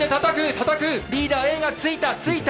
たたく！リーダーＡが突いた！